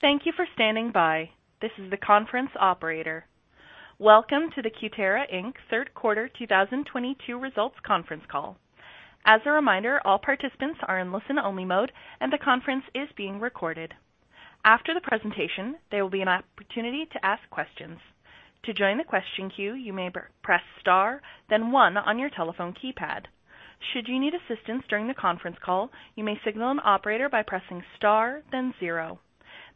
Thank you for standing by. This is the conference operator. Welcome to the Cutera, Inc. Third Quarter 2022 Results Conference Call. As a reminder, all participants are in listen-only mode, and the conference is being recorded. After the presentation, there will be an opportunity to ask questions. To join the question queue, you may press star, then one on your telephone keypad. Should you need assistance during the conference call, you may signal an operator by pressing star, then zero.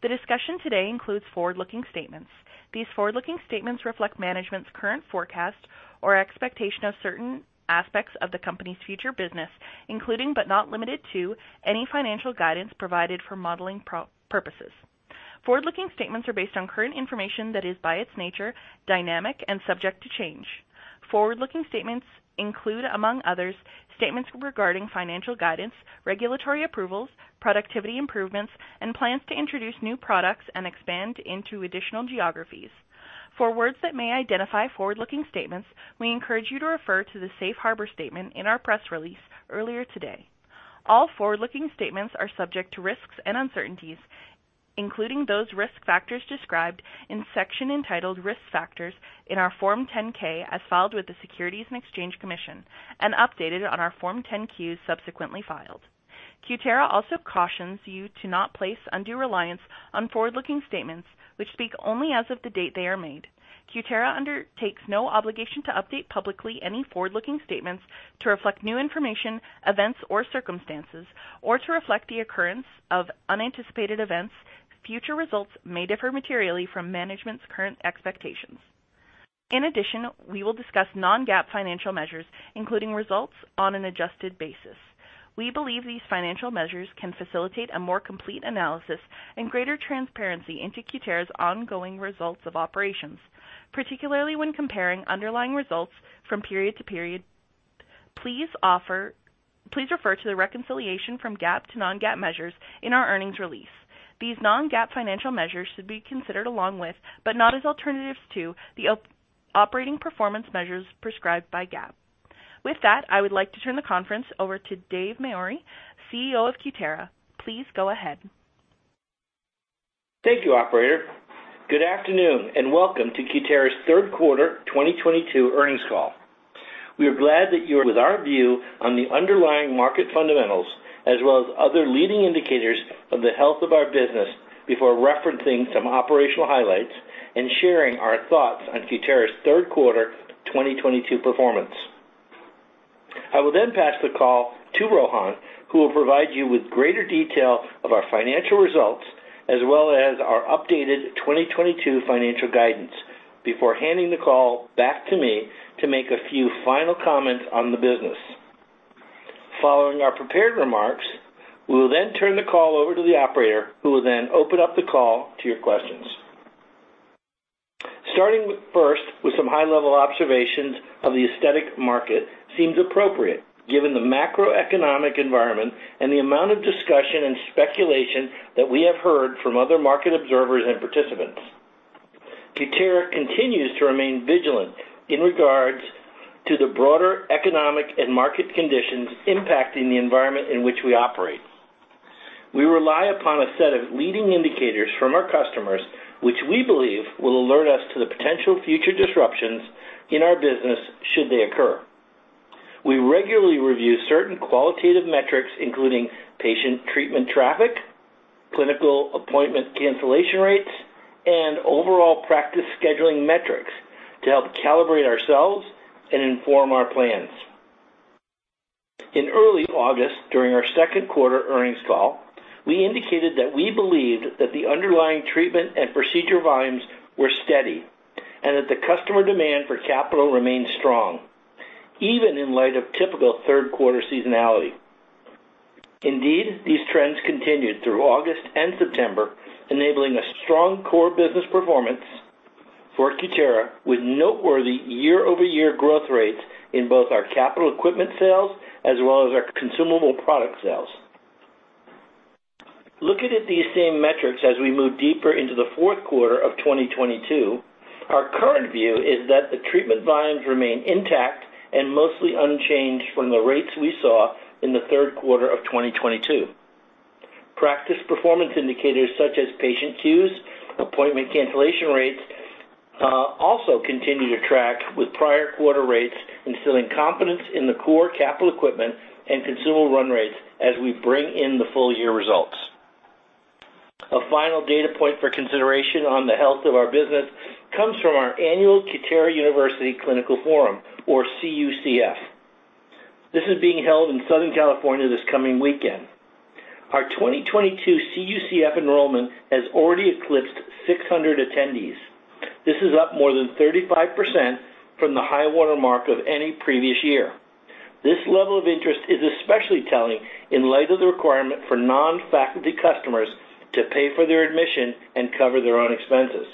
The discussion today includes forward-looking statements. These forward-looking statements reflect management's current forecast or expectation of certain aspects of the company's future business, including, but not limited to, any financial guidance provided for modeling purposes. Forward-looking statements are based on current information that is, by its nature, dynamic and subject to change. Forward-looking statements include, among others, statements regarding financial guidance, regulatory approvals, productivity improvements, and plans to introduce new products and expand into additional geographies. For words that may identify forward-looking statements, we encourage you to refer to the safe harbor statement in our press release earlier today. All forward-looking statements are subject to risks and uncertainties, including those risk factors described in section entitled Risk Factors in our Form 10-K as filed with the Securities and Exchange Commission and updated on our Form 10-Q subsequently filed. Cutera also cautions you to not place undue reliance on forward-looking statements, which speak only as of the date they are made. Cutera undertakes no obligation to update publicly any forward-looking statements to reflect new information, events, or circumstances or to reflect the occurrence of unanticipated events. Future results may differ materially from management's current expectations. In addition, we will discuss non-GAAP financial measures, including results on an adjusted basis. We believe these financial measures can facilitate a more complete analysis and greater transparency into Cutera's ongoing results of operations, particularly when comparing underlying results from period to period. Please refer to the reconciliation from GAAP to non-GAAP measures in our earnings release. These non-GAAP financial measures should be considered along with, but not as alternatives to, the operating performance measures prescribed by GAAP. With that, I would like to turn the conference over to David Mowry, CEO of Cutera. Please go ahead. Thank you, operator. Good afternoon, and welcome to Cutera's Third Quarter 2022 Earnings Call. We are glad that you're with our view on the underlying market fundamentals as well as other leading indicators of the health of our business before referencing some operational highlights and sharing our thoughts on Cutera's Third Quarter 2022 performance. I will then pass the call to Rohan, who will provide you with greater detail of our financial results as well as our updated 2022 financial guidance before handing the call back to me to make a few final comments on the business. Following our prepared remarks, we will then turn the call over to the operator who will then open up the call to your questions. Starting first with some high-level observations of the aesthetic market seems appropriate given the macroeconomic environment and the amount of discussion and speculation that we have heard from other market observers and participants. Cutera continues to remain vigilant in regards to the broader economic and market conditions impacting the environment in which we operate. We rely upon a set of leading indicators from our customers, which we believe will alert us to the potential future disruptions in our business should they occur. We regularly review certain qualitative metrics, including patient treatment traffic, clinical appointment cancellation rates, and overall practice scheduling metrics to help calibrate ourselves and inform our plans. In early August, during our second quarter earnings call, we indicated that we believed that the underlying treatment and procedure volumes were steady and that the customer demand for capital remained strong even in light of typical third-quarter seasonality. Indeed, these trends continued through August and September, enabling a strong core business performance for Cutera with noteworthy year-over-year growth rates in both our capital equipment sales as well as our consumable product sales. Looking at these same metrics as we move deeper into the fourth quarter of 2022, our current view is that the treatment volumes remain intact and mostly unchanged from the rates we saw in the third quarter of 2022. Practice performance indicators such as patient queues, appointment cancellation rates, also continue to track with prior quarter rates, instilling confidence in the core capital equipment and consumable run rates as we bring in the full year results. A final data point for consideration on the health of our business comes from our annual Cutera University Clinical Forum or CUCF. This is being held in Southern California this coming weekend. Our 2022 CUCF enrollment has already eclipsed 600 attendees. This is up more than 35% from the high-water mark of any previous year. This level of interest is especially telling in light of the requirement for non-faculty customers to pay for their admission and cover their own expenses.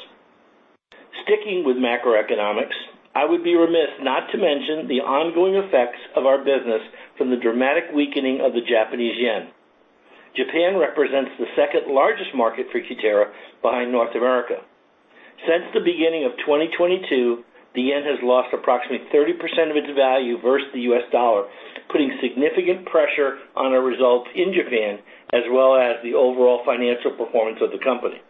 Sticking with macroeconomics, I would be remiss not to mention the ongoing effects of our business from the dramatic weakening of the Japanese yen. Japan represents the second-largest market for Cutera behind North America. Since the beginning of 2022, the yen has lost approximately 30% of its value versus the US dollar, putting significant pressure on our results in Japan as well as the overall financial performance of the company.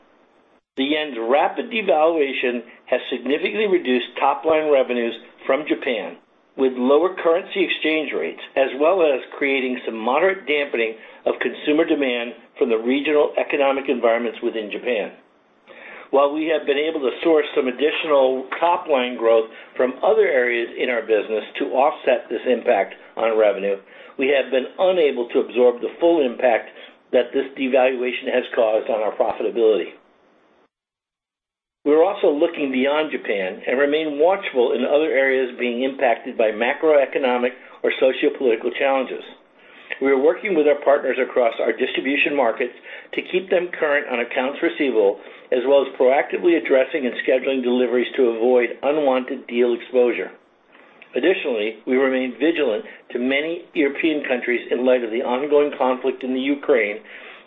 The yen's rapid devaluation has significantly reduced top-line revenues from Japan with lower currency exchange rates, as well as creating some moderate dampening of consumer demand from the regional economic environments within Japan. While we have been able to source some additional top-line growth from other areas in our business to offset this impact on revenue, we have been unable to absorb the full impact that this devaluation has caused on our profitability. We're also looking beyond Japan and remain watchful in other areas being impacted by macroeconomic or sociopolitical challenges. We are working with our partners across our distribution markets to keep them current on accounts receivable, as well as proactively addressing and scheduling deliveries to avoid unwanted deal exposure. Additionally, we remain vigilant to many European countries in light of the ongoing conflict in the Ukraine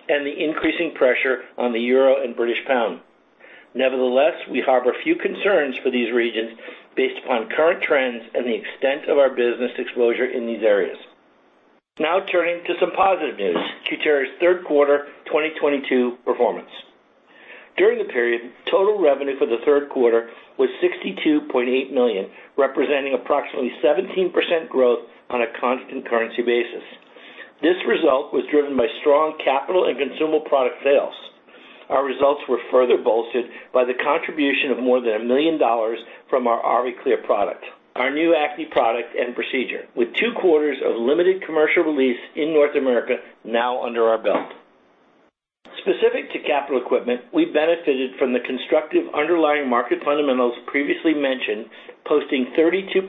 and the increasing pressure on the euro and British pound. Nevertheless, we harbor a few concerns for these regions based upon current trends and the extent of our business exposure in these areas. Now turning to some positive news, Cutera's Third Quarter 2022 performance. During the period, total revenue for the third quarter was $62.8 million, representing approximately 17% growth on a constant currency basis. This result was driven by strong capital and consumable product sales. Our results were further bolstered by the contribution of more than $1 million from our AviClear product, our new acne product and procedure, with 2 quarters of limited commercial release in North America now under our belt. Specific to capital equipment, we benefited from the constructive underlying market fundamentals previously mentioned, posting 32%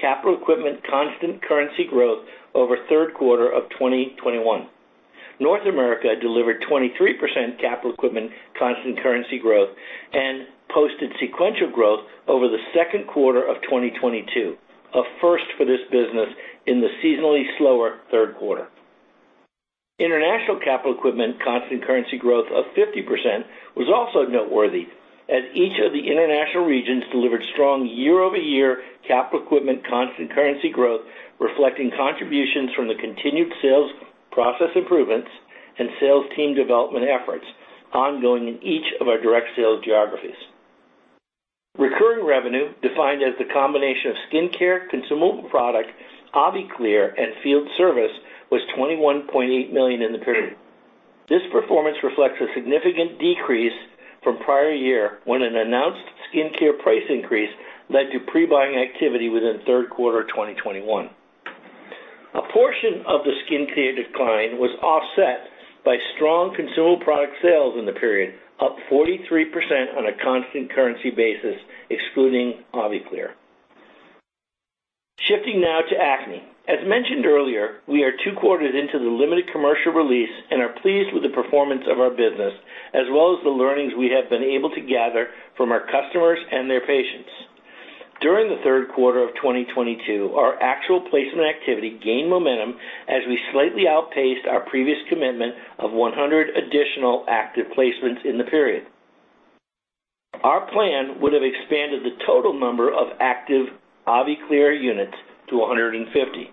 capital equipment constant currency growth over third quarter of 2021. North America delivered 23% capital equipment constant currency growth and posted sequential growth over the second quarter of 2022. A first for this business in the seasonally slower third quarter. International capital equipment constant currency growth of 50% was also noteworthy, as each of the international regions delivered strong year-over-year capital equipment constant currency growth, reflecting contributions from the continued sales process improvements and sales team development efforts ongoing in each of our direct sales geographies. Recurring revenue defined as the combination of skincare, consumable product, AviClear and field service was $21.8 million in the period. This performance reflects a significant decrease from prior year when an announced skincare price increase led to pre-buying activity within third quarter 2021. A portion of the skincare decline was offset by strong consumable product sales in the period, up 43% on a constant currency basis, excluding AviClear. Shifting now to acne. As mentioned earlier, we are two quarters into the limited commercial release and are pleased with the performance of our business as well as the learnings we have been able to gather from our customers and their patients. During the third quarter of 2022, our actual placement activity gained momentum as we slightly outpaced our previous commitment of 100 additional active placements in the period. Our plan would have expanded the total number of active AviClear units to 150.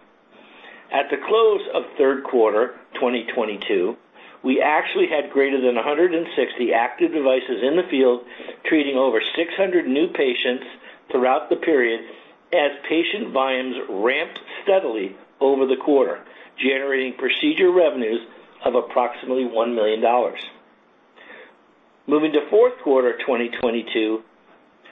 At the close of third quarter 2022, we actually had greater than 160 active devices in the field, treating over 600 new patients throughout the period as patient volumes ramped steadily over the quarter, generating procedure revenues of approximately $1 million. Moving to fourth quarter 2022,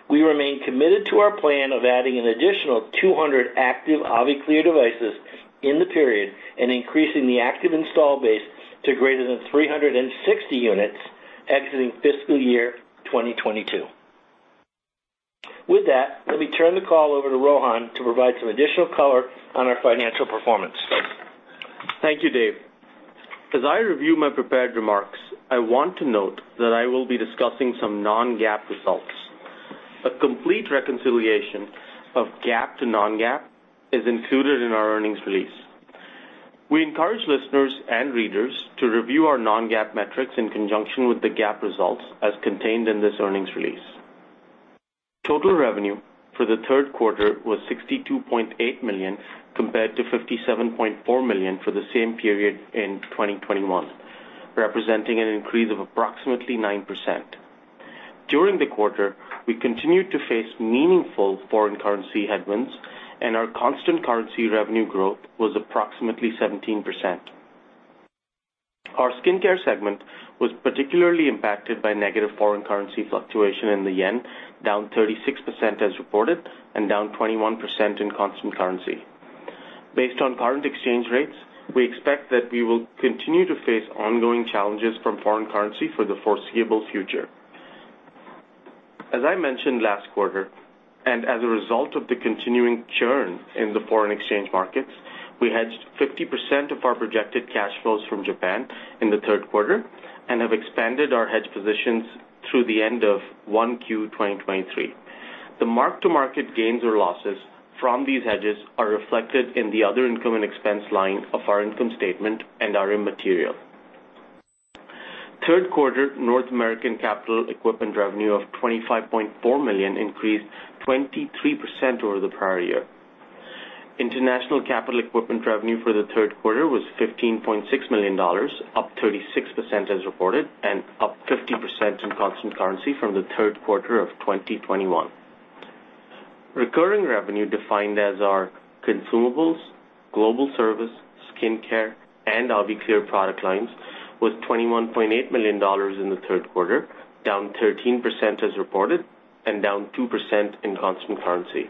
we remain committed to our plan of adding an additional 200 active AviClear devices in the period and increasing the active install base to greater than 360 units exiting fiscal year 2022. With that, let me turn the call over to Rohan to provide some additional color on our financial performance. Thank you, Dave. As I review my prepared remarks, I want to note that I will be discussing some non-GAAP results. A complete reconciliation of GAAP to non-GAAP is included in our earnings release. We encourage listeners and readers to review our non-GAAP metrics in conjunction with the GAAP results as contained in this earnings release. Total revenue for the third quarter was $62.8 million compared to $57.4 million for the same period in 2021, representing an increase of approximately 9%. During the quarter, we continued to face meaningful foreign currency headwinds, and our constant currency revenue growth was approximately 17%. Our skincare segment was particularly impacted by negative foreign currency fluctuation in the yen, down 36% as reported and down 21% in constant currency. Based on current exchange rates, we expect that we will continue to face ongoing challenges from foreign currency for the foreseeable future. As I mentioned last quarter, and as a result of the continuing churn in the foreign exchange markets, we hedged 50% of our projected cash flows from Japan in the third quarter and have expanded our hedge positions through the end of 1Q 2023. The mark-to-market gains or losses from these hedges are reflected in the other income and expense line of our income statement and are immaterial. Third quarter North American capital equipment revenue of $25.4 million increased 23% over the prior year. International capital equipment revenue for the third quarter was $15.6 million, up 36% as reported and up 50% in constant currency from the third quarter of 2021. Recurring revenue defined as our consumables, global service, skincare, and AviClear product lines was $21.8 million in the third quarter, down 13% as reported and down 2% in constant currency.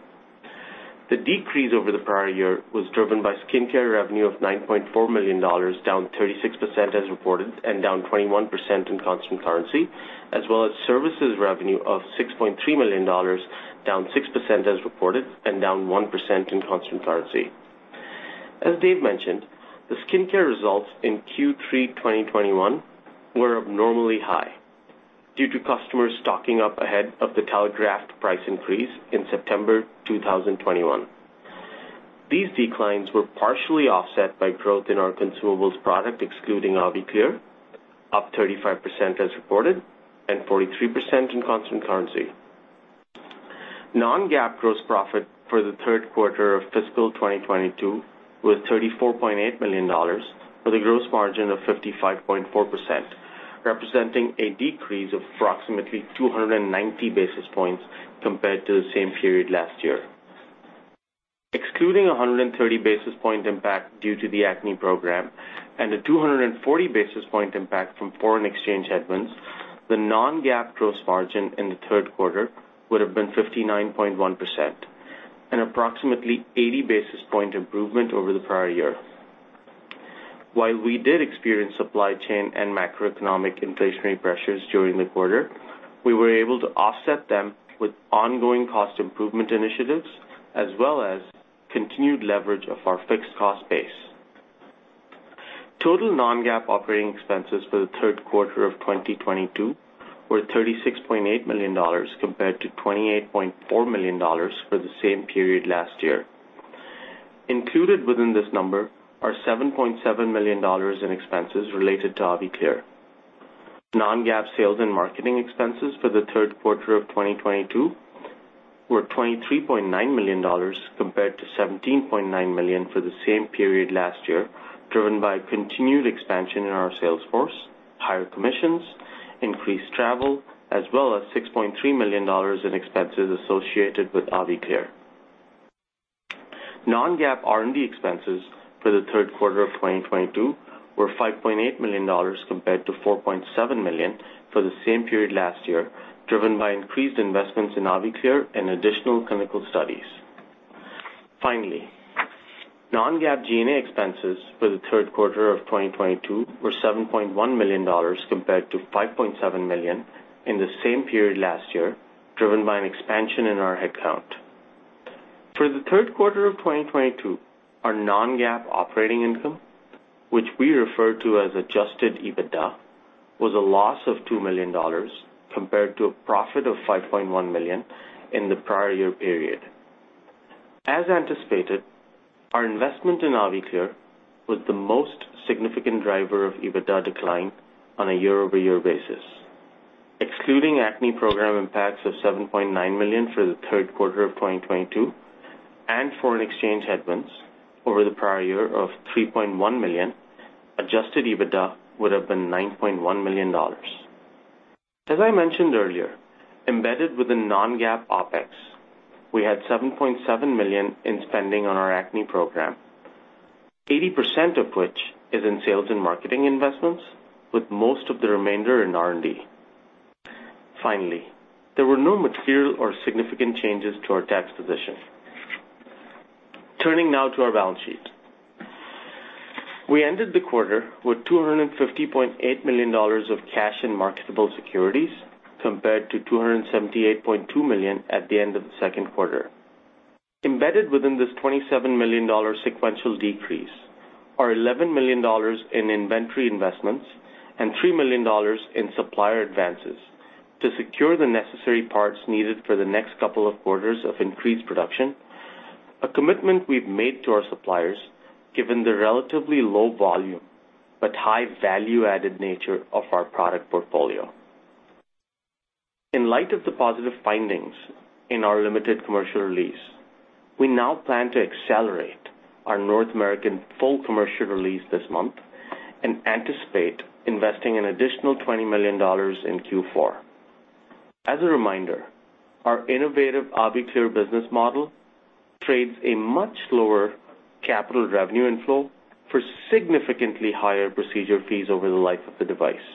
The decrease over the prior year was driven by skincare revenue of $9.4 million, down 36% as reported and down 21% in constant currency, as well as services revenue of $6.3 million, down 6% as reported and down 1% in constant currency. As Dave mentioned, the skincare results in Q3 2021 were abnormally high due to customers stocking up ahead of the telegraphed price increase in September 2021. These declines were partially offset by growth in our consumables product, excluding AviClear, up 35% as reported and 43% in constant currency. non-GAAP gross profit for the third quarter of fiscal 2022 was $34.8 million with a gross margin of 55.4%, representing a decrease of approximately 290 basis points compared to the same period last year. Excluding 130 basis points impact due to the acne program and a 240 basis points impact from foreign exchange headwinds, the non-GAAP gross margin in the third quarter would have been 59.1%, an approximately 80 basis points improvement over the prior year. While we did experience supply chain and macroeconomic inflationary pressures during the quarter, we were able to offset them with ongoing cost improvement initiatives as well as continued leverage of our fixed cost base. Total non-GAAP operating expenses for the third quarter of 2022 were $36.8 million compared to $28.4 million for the same period last year. Included within this number are $7.7 million in expenses related to AviClear. Non-GAAP sales and marketing expenses for the third quarter of 2022 were $23.9 million compared to $17.9 million for the same period last year, driven by continued expansion in our sales force, higher commissions, increased travel, as well as $6.3 million in expenses associated with AviClear. Non-GAAP R&D expenses for the third quarter of 2022 were $5.8 million compared to $4.7 million for the same period last year, driven by increased investments in AviClear and additional clinical studies. Finally, non-GAAP G&A expenses for the third quarter of 2022 were $7.1 million compared to $5.7 million in the same period last year, driven by an expansion in our headcount. For the third quarter of 2022, our non-GAAP operating income, which we refer to as Adjusted EBITDA, was a loss of $2 million compared to a profit of $5.1 million in the prior year period. As anticipated, our investment in AviClear was the most significant driver of EBITDA decline on a year-over-year basis. Excluding acne program impacts of $7.9 million for the third quarter of 2022 and foreign exchange headwinds over the prior year of $3.1 million, Adjusted EBITDA would have been $9.1 million. As I mentioned earlier, embedded within non-GAAP OpEx, we had $7.7 million in spending on our acne program, 80% of which is in sales and marketing investments, with most of the remainder in R&D. Finally, there were no material or significant changes to our tax position. Turning now to our balance sheet. We ended the quarter with $250.8 million of cash and marketable securities compared to $278.2 million at the end of the second quarter. Embedded within this $27 million sequential decrease are $11 million in inventory investments and $3 million in supplier advances to secure the necessary parts needed for the next couple of quarters of increased production, a commitment we've made to our suppliers given the relatively low volume but high value-added nature of our product portfolio. In light of the positive findings in our limited commercial release, we now plan to accelerate our North American full commercial release this month and anticipate investing an additional $20 million in Q4. As a reminder, our innovative AviClear business model trades a much lower capital revenue inflow for significantly higher procedure fees over the life of the device.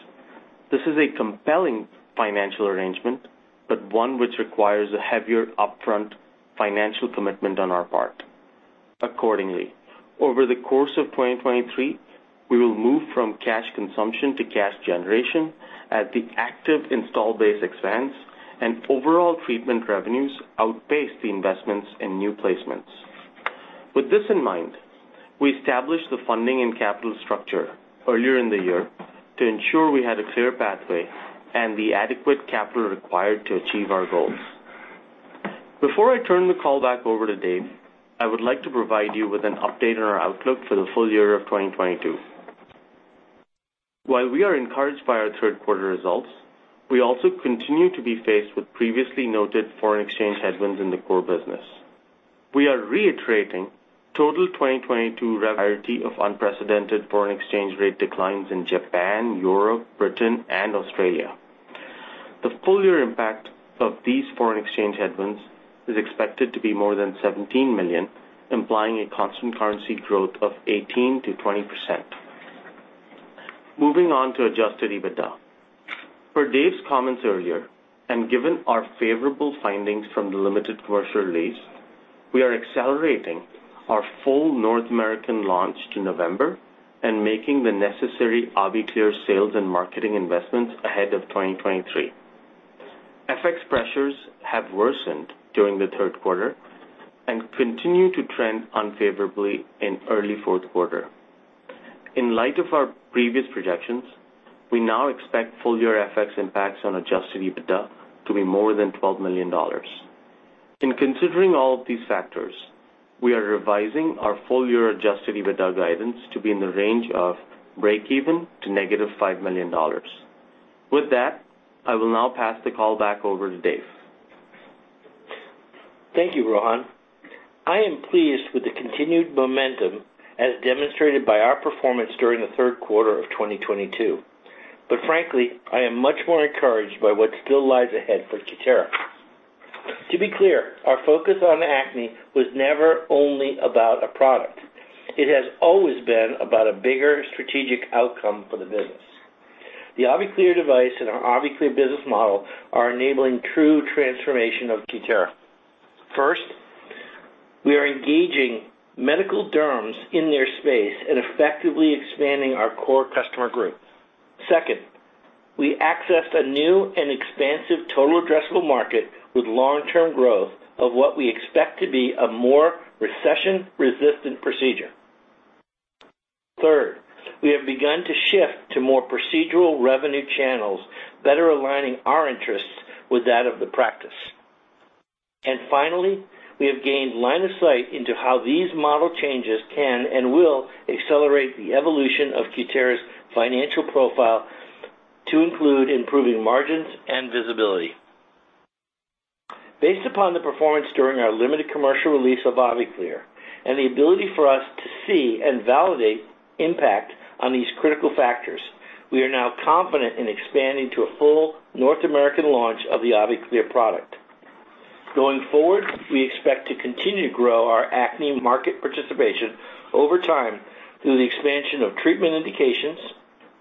This is a compelling financial arrangement, but one which requires a heavier upfront financial commitment on our part. Accordingly, over the course of 2023, we will move from cash consumption to cash generation as the active install base expands and overall treatment revenues outpace the investments in new placements. With this in mind, we established the funding and capital structure earlier in the year to ensure we had a clear pathway and the adequate capital required to achieve our goals. Before I turn the call back over to Dave, I would like to provide you with an update on our outlook for the full year of 2022. While we are encouraged by our third quarter results, we also continue to be faced with previously noted foreign exchange headwinds in the core business. We are reiterating total 2022 guidance despite unprecedented foreign exchange rate declines in Japan, Europe, Britain and Australia. The full year impact of these foreign exchange headwinds is expected to be more than $17 million, implying a constant currency growth of 18%-20%. Moving on to Adjusted EBITDA. Per Dave's comments earlier, and given our favorable findings from the limited commercial release, we are accelerating our full North American launch to November and making the necessary AviClear sales and marketing investments ahead of 2023.FX pressures have worsened during the third quarter and continue to trend unfavorably in early fourth quarter. In light of our previous projections, we now expect full year FX impacts on Adjusted EBITDA to be more than $12 million. In considering all of these factors, we are revising our full year Adjusted EBITDA guidance to be in the range of breakeven to -$5 million. With that, I will now pass the call back over to Dave. Thank you, Rohan. I am pleased with the continued momentum as demonstrated by our performance during the third quarter of 2022. Frankly, I am much more encouraged by what still lies ahead for Cutera. To be clear, our focus on acne was never only about a product. It has always been about a bigger strategic outcome for the business. The AviClear device and our AviClear business model are enabling true transformation of Cutera. First, we are engaging medical derms in their space and effectively expanding our core customer group. Second, we access a new and expansive total addressable market with long term growth of what we expect to be a more recession resistant procedure. Third, we have begun to shift to more procedural revenue channels, better aligning our interests with that of the practice. Finally, we have gained line of sight into how these model changes can and will accelerate the evolution of Cutera's financial profile to include improving margins and visibility. Based upon the performance during our limited commercial release of AviClear and the ability for us to see and validate impact on these critical factors, we are now confident in expanding to a full North American launch of the AviClear product. Going forward, we expect to continue to grow our acne market participation over time through the expansion of treatment indications,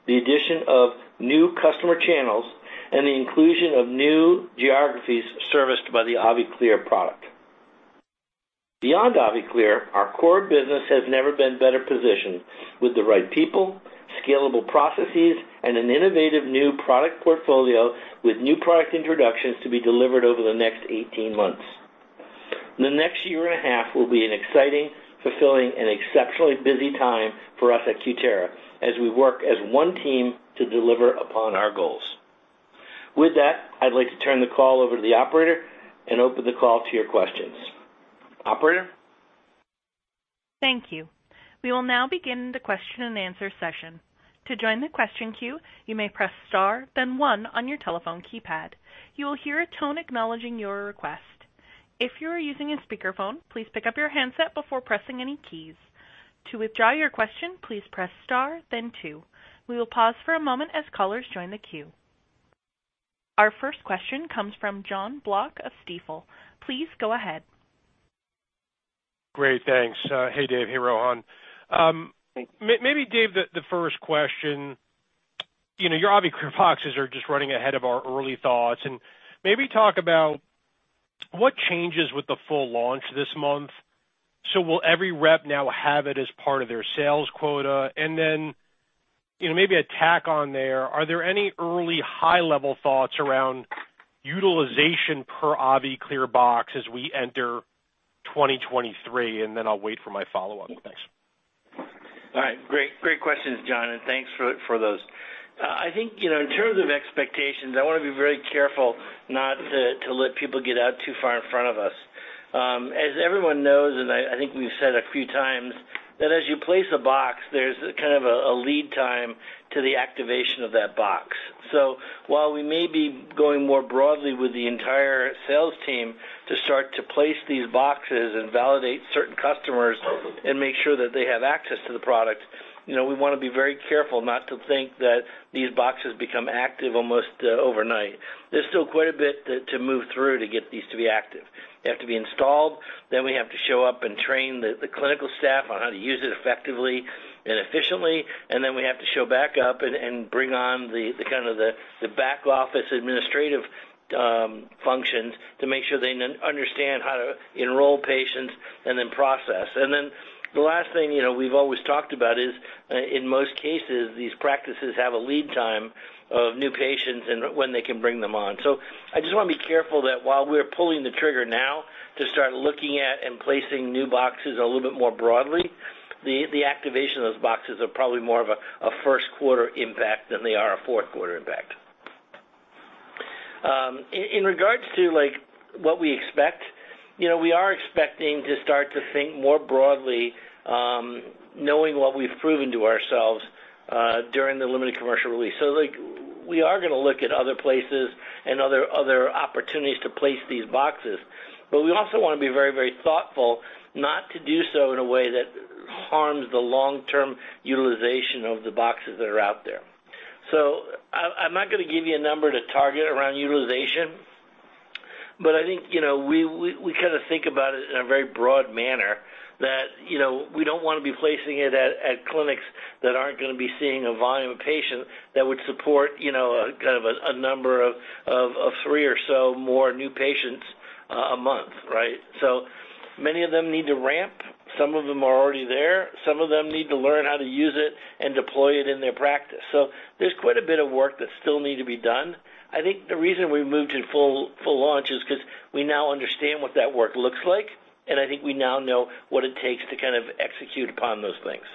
the addition of new customer channels, and the inclusion of new geographies serviced by the AviClear product. Beyond AviClear, our core business has never been better positioned with the right people, scalable processes, and an innovative new product portfolio with new product introductions to be delivered over the next eighteen months. The next year and a half will be an exciting, fulfilling, and exceptionally busy time for us at Cutera as we work as one team to deliver upon our goals. With that, I'd like to turn the call over to the operator and open the call to your questions. Operator? Thank you. We will now begin the question-and-answer session. To join the question queue, you may press star, then one on your telephone keypad. You will hear a tone acknowledging your request. If you are using a speakerphone, please pick up your handset before pressing any keys. To withdraw your question, please press star then two. We will pause for a moment as callers join the queue. Our first question comes from Jonathan Block of Stifel. Please go ahead. Great, thanks. Hey, Dave. Hey, Rohan. Maybe Dave, the first question. You know, your AviClear boxes are just running ahead of our early thoughts. Maybe talk about what changes with the full launch this month. Will every rep now have it as part of their sales quota? Then, you know, maybe a tack on there. Are there any early high-level thoughts around utilization per AviClear box as we enter 2023? I'll wait for my follow-up. Thanks. All right. Great questions, Jonathan, and thanks for those. I think, you know, in terms of expectations, I wanna be very careful not to let people get out too far in front of us. As everyone knows, and I think we've said a few times, that as you place a box, there's kind of a lead time to the activation of that box. While we may be going more broadly with the entire sales team to start to place these boxes and validate certain customers and make sure that they have access to the product, you know, we wanna be very careful not to think that these boxes become active almost overnight. There's still quite a bit to move through to get these to be active. They have to be installed, then we have to show up and train the clinical staff on how to use it effectively and efficiently, and then we have to show back up and bring on the kind of back office administrative functions to make sure they then understand how to enroll patients and then process. The last thing, you know, we've always talked about is, in most cases, these practices have a lead time of new patients and when they can bring them on. I just wanna be careful that while we're pulling the trigger now to start looking at and placing new boxes a little bit more broadly, the activation of those boxes are probably more of a first quarter impact than they are a fourth quarter impact. In regards to, like, what we expect, you know, we are expecting to start to think more broadly, knowing what we've proven to ourselves during the limited commercial release. Like, we are gonna look at other places and other opportunities to place these boxes, but we also wanna be very, very thoughtful not to do so in a way that harms the long-term utilization of the boxes that are out there. I'm not gonna give you a number to target around utilization, but I think, you know, we kinda think about it in a very broad manner that, you know, we don't wanna be placing it at clinics that aren't gonna be seeing a volume of patients that would support, you know, a kind of a number of three or so more new patients a month, right? Many of them need to ramp, some of them are already there, some of them need to learn how to use it and deploy it in their practice. There's quite a bit of work that still need to be done. I think the reason we moved to full launch is 'cause we now understand what that work looks like, and I think we now know what it takes to kind of execute upon those things.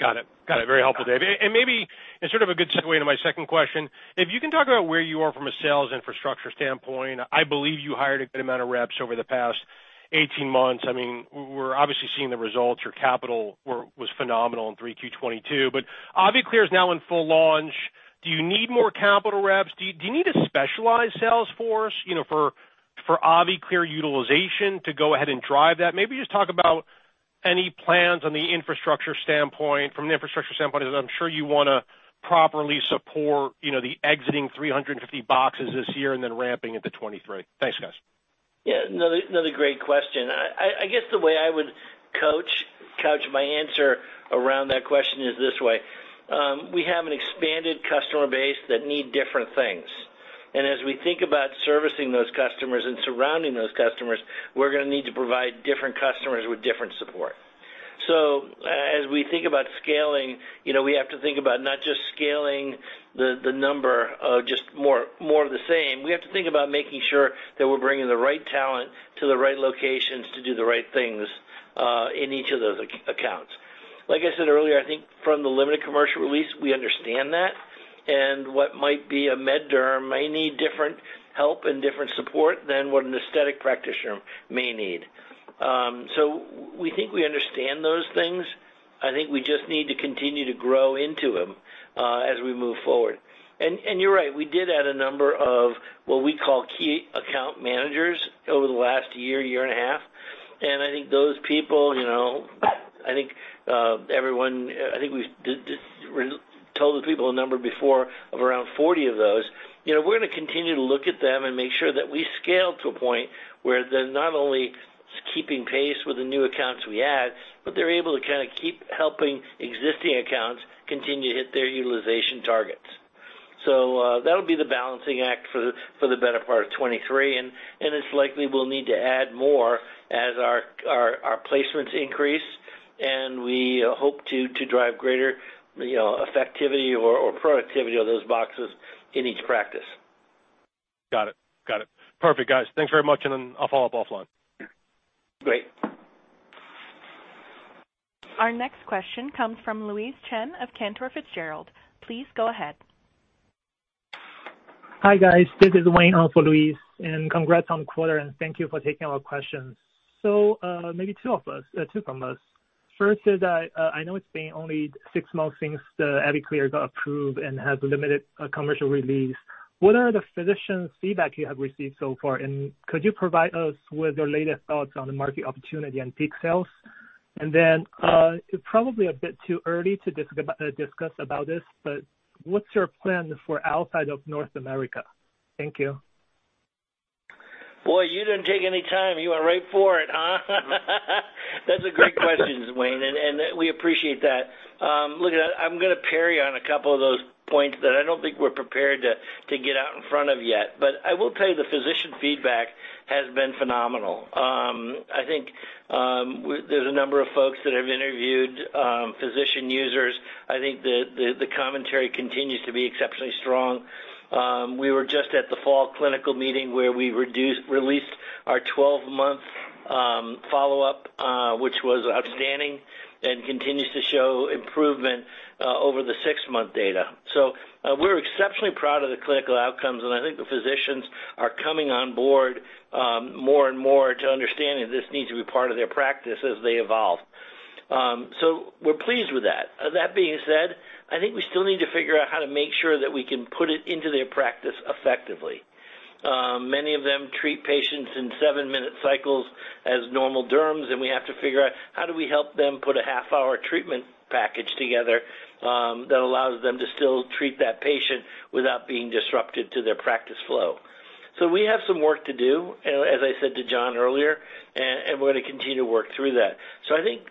Got it. Very helpful, Dave. Maybe as sort of a good segue into my second question, if you can talk about where you are from a sales infrastructure standpoint. I believe you hired a good amount of reps over the past 18 months. I mean, we're obviously seeing the results. Your capital was phenomenal in Q3 2022. AviClear is now in full launch. Do you need more capital reps? Do you need a specialized sales force, you know, for AviClear utilization to go ahead and drive that? Maybe just talk about any plans on the infrastructure standpoint, as I'm sure you wanna properly support, you know, the existing 350 boxes this year and then ramping into 2023. Thanks, guys. Yeah. Another great question. I guess the way I would coach my answer around that question is this way: We have an expanded customer base that need different things. As we think about servicing those customers and surrounding those customers, we're gonna need to provide different customers with different support. As we think about scaling, you know, we have to think about not just scaling the number of just more of the same, we have to think about making sure that we're bringing the right talent to the right locations to do the right things in each of those accounts. Like I said earlier, I think from the limited commercial release, we understand that. What might be a med derm may need different help and different support than what an aesthetic practitioner may need. We think we understand those things. I think we just need to continue to grow into them as we move forward. You're right, we did add a number of what we call key account managers over the last year and a half. I think those people, you know, I think we've told the people a number before of around 40 of those. You know, we're gonna continue to look at them and make sure that we scale to a point where they're not only keeping pace with the new accounts we add, but they're able to kinda keep helping existing accounts continue to hit their utilization targets. That'll be the balancing act for the better part of 2023. It's likely we'll need to add more as our placements increase, and we hope to drive greater, you know, effectivity or productivity of those boxes in each practice. Got it. Perfect, guys. Thanks very much, and then I'll follow up offline. Great. Our next question comes from Louise Chen of Cantor Fitzgerald. Please go ahead. Hi, guys. This is Wayne on for Louise. Congrats on the quarter, and thank you for taking our questions. Maybe two from us. First is that, I know it's been only 6 months since the AviClear got approved and has limited commercial release. What are the physicians feedback you have received so far? And could you provide us with your latest thoughts on the market opportunity and peak sales? It's probably a bit too early to discuss about this, but what's your plan for outside of North America? Thank you. Boy, you didn't take any time. You went right for it, huh? That's a great question, Wayne, and we appreciate that. Look, I'm gonna parry on a couple of those points that I don't think we're prepared to get out in front of yet. I will tell you the physician feedback has been phenomenal. I think there's a number of folks that have interviewed physician users. I think the commentary continues to be exceptionally strong. We were just at the Fall Clinical Meeting where we released our 12-month follow-up, which was outstanding and continues to show improvement over the 6-month data. We're exceptionally proud of the clinical outcomes, and I think the physicians are coming on board more and more to understanding this needs to be part of their practice as they evolve. We're pleased with that. That being said, I think we still need to figure out how to make sure that we can put it into their practice effectively. Many of them treat patients in seven-minute cycles as normal derms, and we have to figure out how do we help them put a half-hour treatment package together, that allows them to still treat that patient without being disrupted to their practice flow. We have some work to do, as I said to Jon earlier, and we're gonna continue to work through that. I think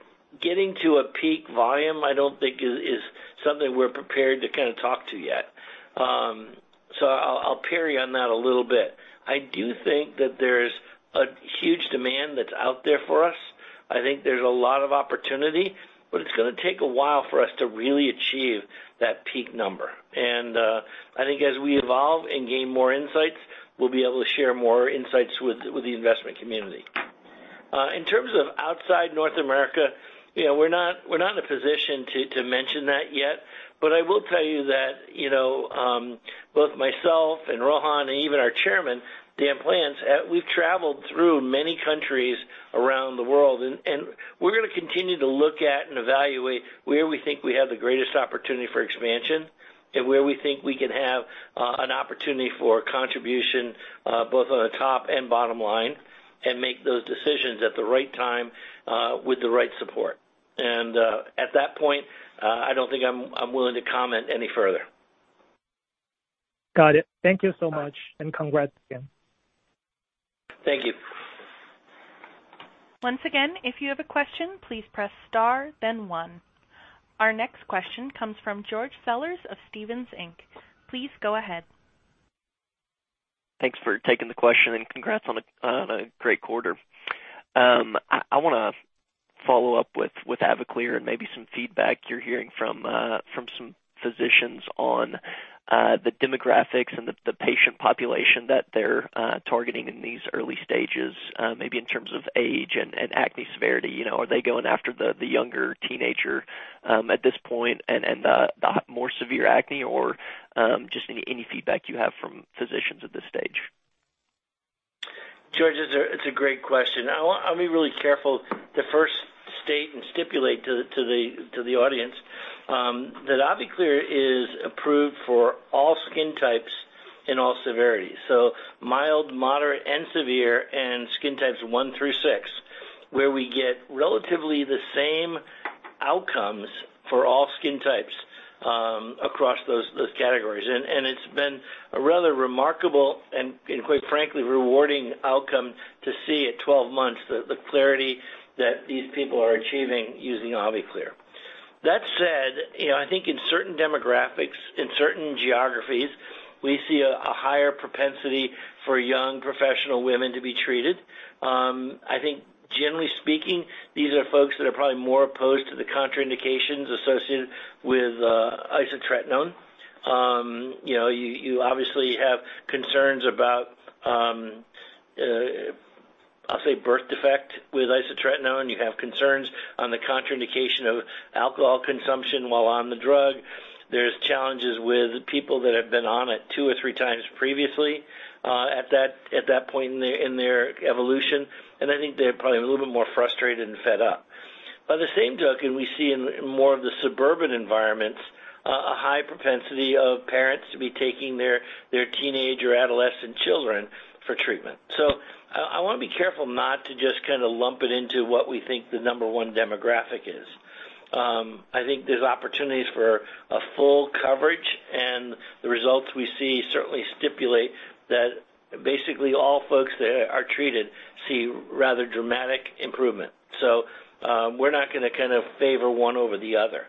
getting to a peak volume, I don't think is something we're prepared to kinda talk to yet. I'll pass on that a little bit. I do think that there's a huge demand that's out there for us. I think there's a lot of opportunity, but it's gonna take a while for us to really achieve that peak number. I think as we evolve and gain more insights, we'll be able to share more insights with the investment community. In terms of outside North America, you know, we're not in a position to mention that yet, but I will tell you that, you know, both myself and Rohan and even our Chairman, Dan Plants, we've traveled through many countries around the world. We're gonna continue to look at and evaluate where we think we have the greatest opportunity for expansion and where we think we can have an opportunity for contribution both on the top and bottom line and make those decisions at the right time with the right support. At that point, I don't think I'm willing to comment any further. Got it. Thank you so much. All right. Congrats again. Thank you. Once again, if you have a question, please press star then one. Our next question comes from George Sellers of Stephens, Inc. Please go ahead. Thanks for taking the question, and congrats on a great quarter. I wanna follow up with AviClear and maybe some feedback you're hearing from some physicians on the demographics and the patient population that they're targeting in these early stages, maybe in terms of age and acne severity. You know, are they going after the younger teenager at this point and the more severe acne? Or just any feedback you have from physicians at this stage. George, it's a great question. I'll be really careful to first state and stipulate to the audience that AviClear is approved for all skin types in all severities, so mild, moderate, and severe, and skin types I through VI, where we get relatively the same outcomes for all skin types across those categories. It's been a rather remarkable and quite frankly rewarding outcome to see at 12 months the clarity that these people are achieving using AviClear. That said, you know, I think in certain demographics, in certain geographies, we see a higher propensity for young professional women to be treated. I think generally speaking, these are folks that are probably more opposed to the contraindications associated with isotretinoin. You know, you obviously have concerns about, I'll say, birth defect with isotretinoin. You have concerns on the contraindication of alcohol consumption while on the drug. There are challenges with people that have been on it two or three times previously, at that point in their evolution, and I think they're probably a little bit more frustrated and fed up. By the same token, we see in more of the suburban environments, a high propensity of parents to be taking their teenage or adolescent children for treatment. I wanna be careful not to just kinda lump it into what we think the number one demographic is. I think there's opportunities for a full coverage, and the results we see certainly stipulate that basically all folks that are treated see rather dramatic improvement. We're not gonna kind of favor one over the other.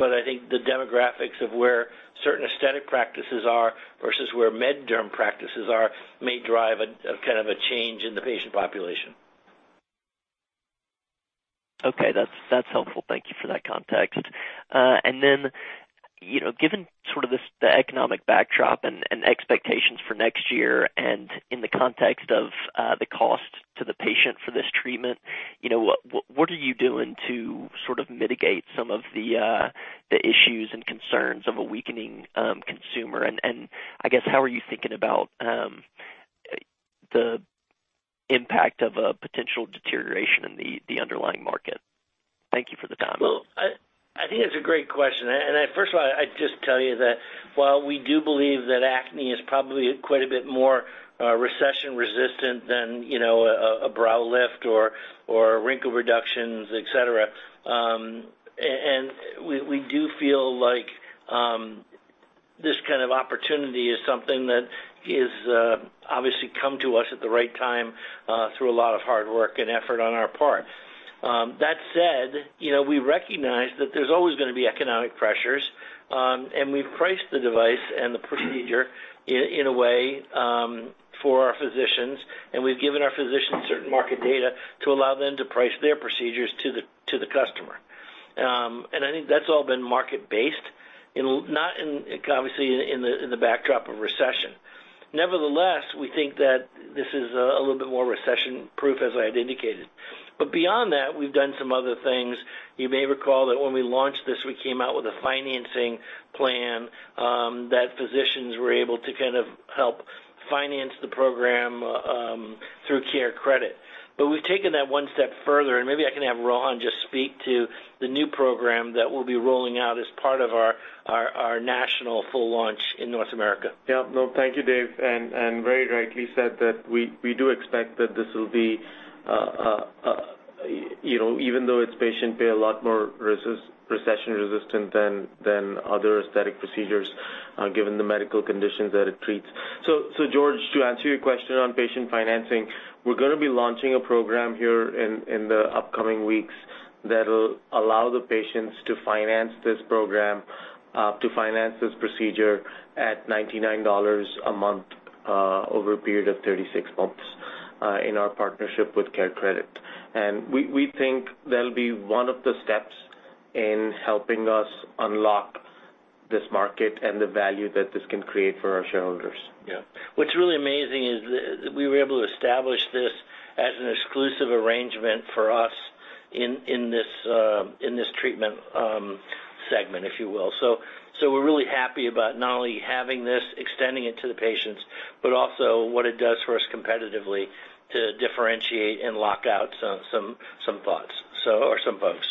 I think the demographics of where certain aesthetic practices are versus where med derm practices are may drive a kind of change in the patient population. Okay. That's helpful. Thank you for that context. Given this economic backdrop and expectations for next year and in the context of the cost to the patient for this treatment, you know, what are you doing to sort of mitigate some of the issues and concerns of a weakening consumer? I guess, how are you thinking about the impact of a potential deterioration in the underlying market? Thank you for the time. Well, I think that's a great question. First of all, I'd just tell you that while we do believe that acne is probably quite a bit more recession resistant than, you know, a brow lift or wrinkle reductions, et cetera, and we do feel like this kind of opportunity is something that is obviously come to us at the right time through a lot of hard work and effort on our part. That said, you know, we recognize that there's always gonna be economic pressures, and we've priced the device and the procedure in a way for our physicians, and we've given our physicians certain market data to allow them to price their procedures to the customer. I think that's all been market based and not, obviously, in the backdrop of recession. Nevertheless, we think that this is a little bit more recession-proof, as I had indicated. Beyond that, we've done some other things. You may recall that when we launched this, we came out with a financing plan that physicians were able to kind of help finance the program through CareCredit. We've taken that one step further, and maybe I can have Rohan just speak to the new program that we'll be rolling out as part of our national full launch in North America. Yeah. No, thank you, Dave. Very rightly said that we do expect that this will be, you know, even though it's patient pay, a lot more recession resistant than other aesthetic procedures, given the medical conditions that it treats. George, to answer your question on patient financing, we're gonna be launching a program here in the upcoming weeks that'll allow the patients to finance this procedure at $99 a month, over a period of 36 months, in our partnership with CareCredit. We think that'll be one of the steps in helping us unlock this market and the value that this can create for our shareholders. Yeah. What's really amazing is that we were able to establish this as an exclusive arrangement for us in this treatment segment, if you will. We're really happy about not only having this, extending it to the patients, but also what it does for us competitively to differentiate and lock out some thoughts or some bugs.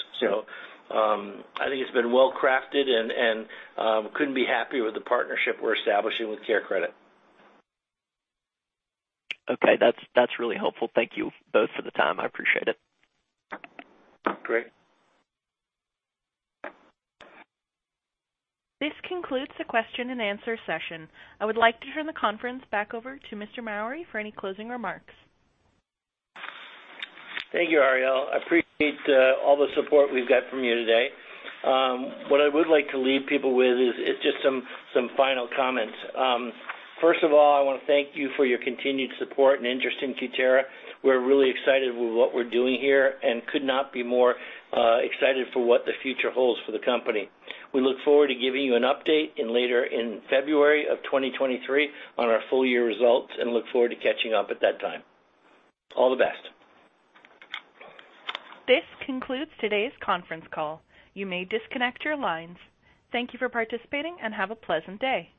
I think it's been well crafted and couldn't be happier with the partnership we're establishing with CareCredit. Okay. That's really helpful. Thank you both for the time. I appreciate it. Great. This concludes the question and answer session. I would like to turn the conference back over to Mr. Mowry for any closing remarks. Thank you, Ariel. I appreciate all the support we've got from you today. What I would like to leave people with is just some final comments. First of all, I wanna thank you for your continued support and interest in Cutera. We're really excited with what we're doing here and could not be more excited for what the future holds for the company. We look forward to giving you an update in late February 2023 on our full year results and look forward to catching up at that time. All the best. This concludes today's conference call. You may disconnect your lines. Thank you for participating and have a pleasant day.